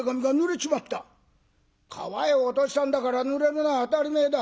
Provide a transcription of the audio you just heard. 「川へ落としたんだからぬれるのは当たり前だ。